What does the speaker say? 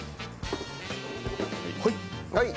はい。